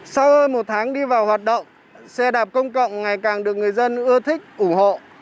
sau hơn một tháng đi vào hoạt động xe đạp công cộng ngày càng được người dân ưa thích ủng hộ